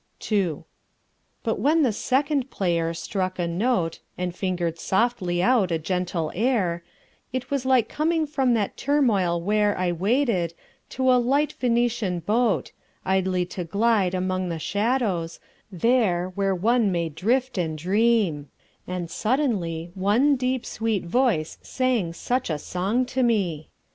II. But when the second player struck a note And fingered softly out a gentle air It was like coming from that turmoil where I waited, to a light Venetian boat, Idly to glide among the shadows, there Where one may drift and dream; and suddenly One deep sweet voice sang such a song to me.